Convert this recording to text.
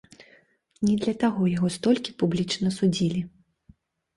Не для таго яго столькі публічна судзілі.